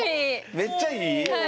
めっちゃいい？